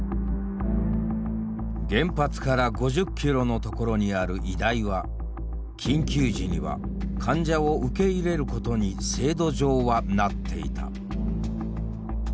原発から５０キロの所にある医大は緊急時には患者を受け入れることに制度上はなっていた。